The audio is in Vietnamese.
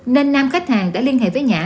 nên nam khách hàng đã liên hệ với nhã